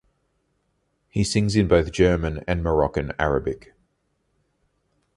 He sings in both German and Moroccan Arabic.